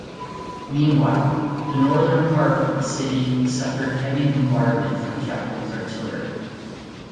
Meanwhile, the northern part of the city suffered heavy bombardment from Japanese artillery.